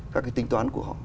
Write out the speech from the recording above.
các cái tính toán của họ